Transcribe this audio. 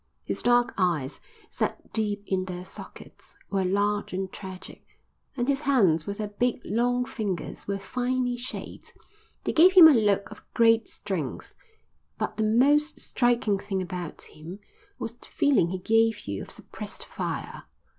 His dark eyes, set deep in their sockets, were large and tragic; and his hands with their big, long fingers, were finely shaped; they gave him a look of great strength. But the most striking thing about him was the feeling he gave you of suppressed fire.